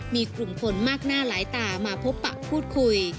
มีกลุ่มคนมากหน้าหลายตามาพบปะพูดคุย